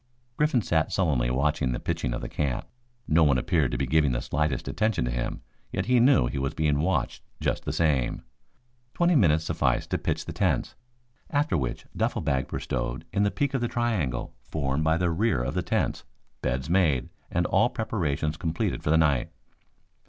Griffin sat sullenly watching the pitching of the camp. No one appeared to be giving the slightest attention to him, yet he knew he was being watched just the same. Twenty minutes sufficed to pitch the tents, after which duffle bags were stowed in the peak of the triangle formed by the rear of the tents, beds made, and all preparations completed for the night.